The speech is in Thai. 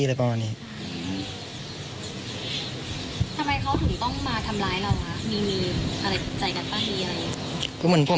ทำไมเขาถึงต้องมาทำลายเราล่ะ